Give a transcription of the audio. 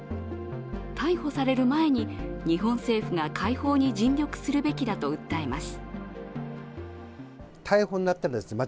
逮捕される前に日本政府が解放に尽力するべきだと訴えます。